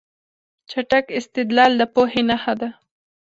چټک استدلال د پوهې نښه ده.